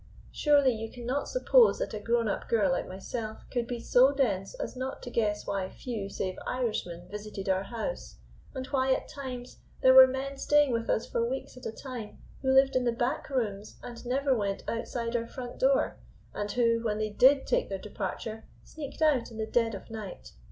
Surely you cannot suppose that a grown up girl like myself could be so dense as not to guess why few save Irishmen visited our house, and why at times there were men staying with us for weeks at a time, who lived in the back rooms and never went outside our front door, and who, when they did take their departure, sneaked out in the dead of night.